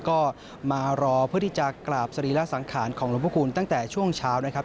ก็มารอเพื่อที่จะกราบสรีระสังขารของหลวงพระคุณตั้งแต่ช่วงเช้านะครับ